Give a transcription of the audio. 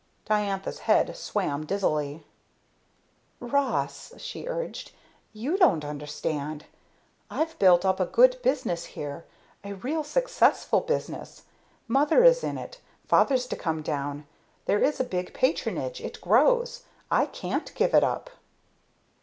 Diantha's head swam dizzily. "Ross," she urged, "you don't understand! I've built up a good business here a real successful business. Mother is in it; father's to come down; there is a big patronage; it grows. I can't give it up!"